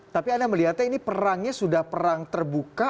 tapi anda melihatnya ini perangnya sudah perang terbuka